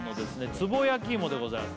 つぼやきいもでございます